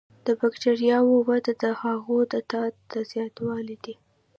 د بکټریاوو وده د هغوی د تعداد زیاتوالی دی.